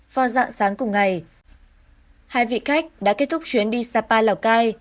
vào dạng sáng cùng ngày hai vị khách đã kết thúc chuyến đi sapa lào cai